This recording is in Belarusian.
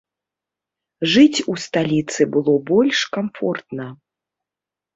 Жыць у сталіцы было больш камфортна.